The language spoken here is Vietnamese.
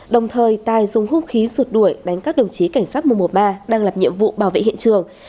đồng thời tai dùng hút khí sụt đuổi đánh các đồng chí cảnh sát mùa mùa ba đang làm nhiệm vụ bảo vệ hiện trường